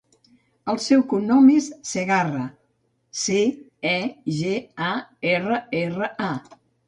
El seu cognom és Cegarra: ce, e, ge, a, erra, erra, a.